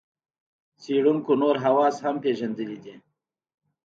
څېړونکو نور حواس هم پېژندلي دي.